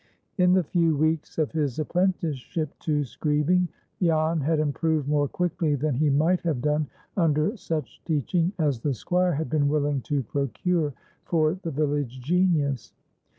In the few weeks of his apprenticeship to screeving, Jan had improved more quickly than he might have done under such teaching as the Squire had been willing to procure for the village genius.